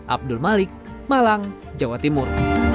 abdul malik malang jawa timur